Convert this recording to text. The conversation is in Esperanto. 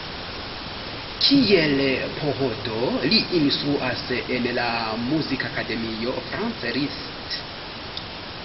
Kiel PhD li instruas en la Muzikakademio Franz Liszt.